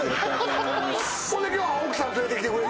ほんで今日は奥さん連れてきてくれて。